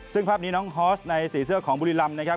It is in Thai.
ซึ่งภาพนี้น้องฮอสในสีเสื้อของบุรีรำนะครับ